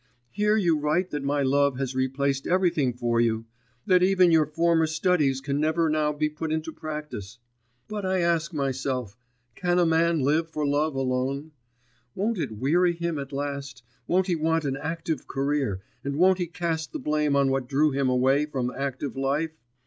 Here you write that my love has replaced everything for you, that even your former studies can never now be put into practice; but I ask myself, can a man live for love alone? Won't it weary him at last, won't he want an active career, and won't he cast the blame on what drew him away from active life?